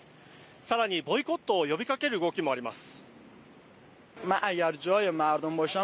更にボイコットを呼びかける動きもあります。